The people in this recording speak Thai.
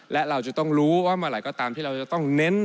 และเราจะต้องรู้ว่าเมื่อไหร่ก็ตามที่เราจะต้องเน้น